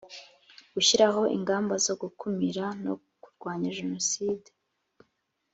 gushyiraho ingamba zo gukumira no kurwanya jenoside